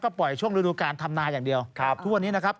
ปล่อยช่วงฤดูการทำนาอย่างเดียวครับทุกวันนี้นะครับ